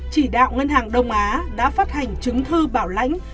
chỉ đạo ngân hàng đông á đã phát hành chứng thư bảo lãnh